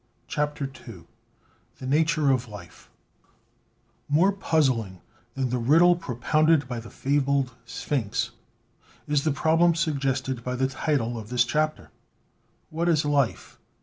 CHAPTER II THE NATURE OF LIFE More puzzling than the riddle propounded by the fabled Sphynx is the problem suggested by the title of this chap ter. "What is life?"